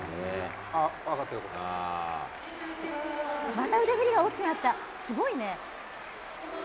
また腕振りが大きくなった、すごいね。